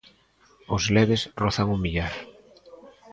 Os leves rozan o millar.